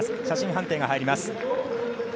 写真判定が入ります。